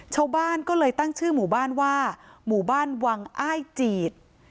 ชาวบ้านก็เลยตั้งชื่อหมู่บ้านว่าหมู่บ้านวังอ้ายจีด